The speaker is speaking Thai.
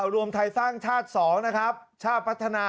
รวมไทยสร้างชาติ๒นะครับ